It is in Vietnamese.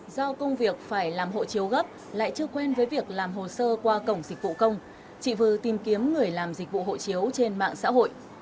do công việc phải làm hộ chiếu gấp lại chưa quen với việc làm hồ sơ qua cổng dịch vụ công chị vư tìm kiếm người làm dịch vụ hộ chiếu trên mạng xã hội